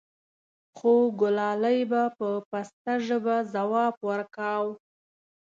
خوګلالۍ به په پسته ژبه ځواب وركا و :